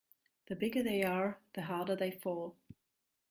The bigger they are the harder they fall.